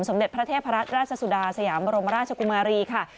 เด็จพระเทพรัตนราชสุดาสยามบรมราชกุมารีค่ะ